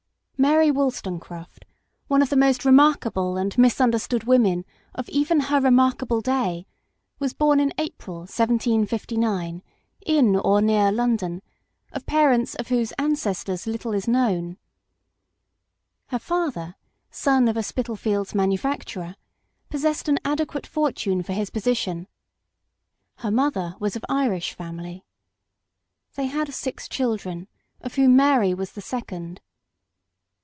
Mary Wollstonecraft, one of the most remarkable PARENTAGE. 3 and misunderstood women of even her remarkable day, was born in April 1759, in or near London, of parents of whose ancestors little is known. Her father, son of a Spitalfields manufacturer, possessed an adequate fortune for his position; her mother was of Irish family. They had six children, of whom Mary was the second.